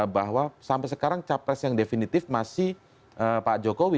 bahwa sampai sekarang capres yang definitif masih pak jokowi